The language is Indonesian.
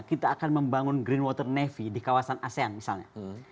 kita akan membangun green water navy di kawasan asean misalnya